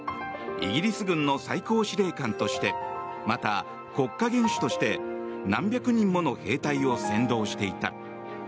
イギリス軍の最高司令官としてまた、国家元首として何百人もの兵隊を先導していた。